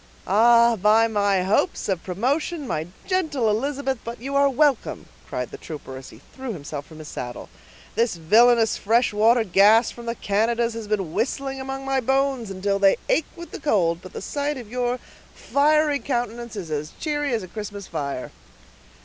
"Ah! by my hopes of promotion, my gentle Elizabeth, but you are welcome!" cried the trooper, as he threw himself from his saddle. "This villainous fresh water gas from the Canadas has been whistling among my bones till they ache with the cold, but the sight of your fiery countenance is as cheery as a Christmas fire."